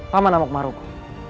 paman amok maruku